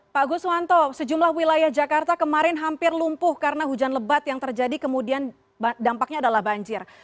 pak guswanto sejumlah wilayah jakarta kemarin hampir lumpuh karena hujan lebat yang terjadi kemudian dampaknya adalah banjir